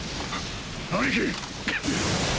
兄貴！